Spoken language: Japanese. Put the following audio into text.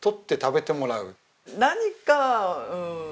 何かうん。